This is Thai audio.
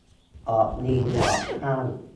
ออกลิงออกค่าง